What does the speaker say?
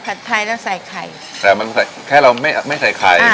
ผัดไทยแล้วใส่ไข่แต่มันใส่แค่เราไม่ไม่ใส่ไข่อ่า